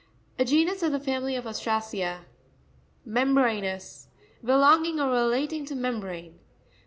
A genus of the family of Ostracea. Mem'sranous.—Belonging or relat ing to membrane.